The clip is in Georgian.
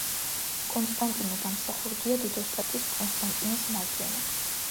კონსტანტინე გამსახურდია დიდოსტატის კონსტანტინეს მარჯვენა